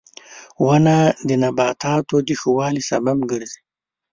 • ونه د نباتاتو د ښه والي سبب ګرځي.